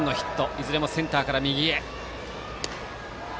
いずれもセンターから右へ。